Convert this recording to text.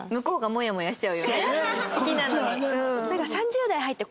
好きなのに。